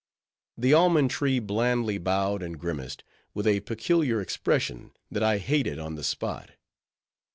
The almond tree blandly bowed, and grimaced, with a peculiar expression, that I hated on the spot.